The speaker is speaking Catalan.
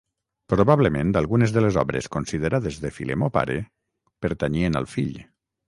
Probablement algunes de les obres considerades de Filemó pare pertanyien al fill.